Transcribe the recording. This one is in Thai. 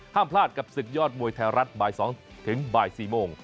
พลาดกับศึกยอดมวยไทยรัฐบ่าย๒ถึงบ่าย๔โมง